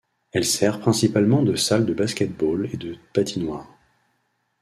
Elle sert principalement de salle de basket-ball et de patinoire.